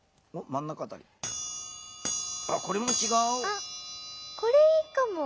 あっこれいいかも！